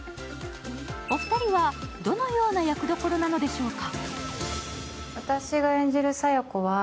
お二人はどのような役どころなのでしょうか？